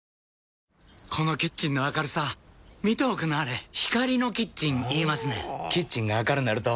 このキッチンの明るさ見ておくんなはれ光のキッチン言いますねんほぉキッチンが明るなると・・・